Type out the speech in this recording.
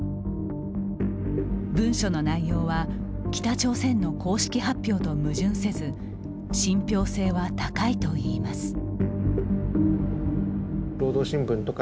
文書の内容は北朝鮮の公式発表と矛盾せず信憑性は高いといいます。